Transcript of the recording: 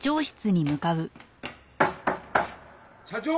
社長。